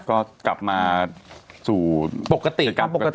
ก็กลับมาปกติ